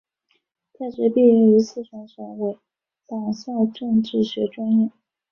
在职毕业于四川省委党校政治学专业。